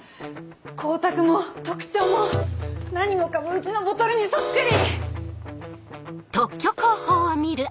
光沢も特徴も何もかもうちのボトルにそっくり！